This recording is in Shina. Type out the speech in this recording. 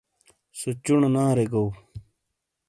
سو چُونو نارے گو۔